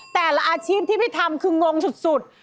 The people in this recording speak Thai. อาชีพที่พี่ทำคืองงสุด